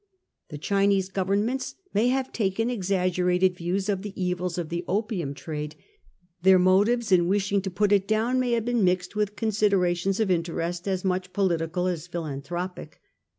The Chinese governments may have taken exaggerated views of the evils of the opium trade ; their motives in wishing to put it down may have been mixed with considerations of interest as much political as philanthropic.